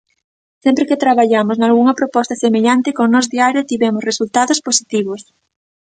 Sempre que traballamos nalgunha proposta semellante con Nós Diario tivemos resultados positivos.